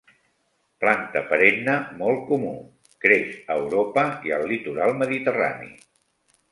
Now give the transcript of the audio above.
Planta perenne molt comú, creix a Europa i al litoral mediterrani.